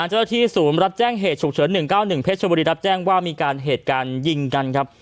เจ้าหน้าที่ศูนย์รับแจ้งเหตุฉุกเฉิน๑๙๑เพชรบุรีรับแจ้งว่ามีการเหตุการณ์ยิงกันครับ